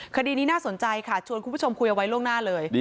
คดีนี้น่าสนใจค่ะชวนคุณผู้ชมคุยเอาไว้ล่วงหน้าเลย